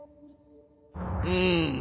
うん。